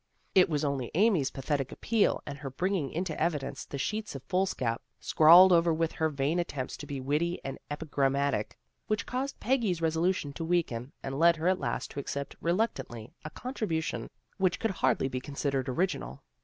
It was only Amy's pathetic appeal and her bringing into evidence the sheets of foolscap, scrawled over with her vain attempts to be witty and epigrammatic, which caused Peggy's resolution to weaken, and led her at last to accept reluctantly a contribution which could hardly be considered original.